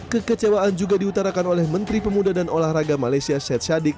kekecewaan juga diutarakan oleh menteri pemuda dan olahraga malaysia syed syadik